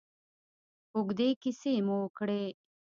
اوږدې کیسې مو وکړې.